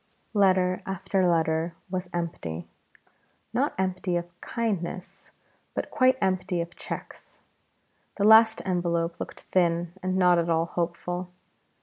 Letter after letter was empty. Not empty of kindness, but quite empty of cheques. The last envelope looked thin and not at all hopeful.